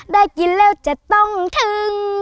ได้กินแล้วจะต้องถึง